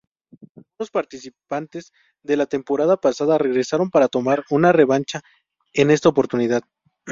Algunos participantes de la temporada pasada regresaron para tomar una revancha en esta oportunidad.